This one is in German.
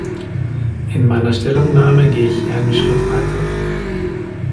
In meiner Stellungnahme gehe ich einen Schritt weiter.